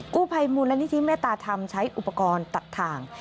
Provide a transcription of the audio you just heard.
กู้ภัยมูลนิธิเมตตาธรรมใช้อุปกรณ์ตัดทาง